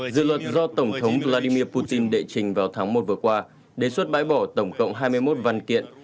dự luật do tổng thống vladimir putin đệ trình vào tháng một vừa qua đề xuất bãi bỏ tổng cộng hai mươi một văn kiện